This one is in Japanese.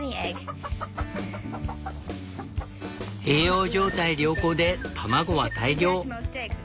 栄養状態良好で卵は大量。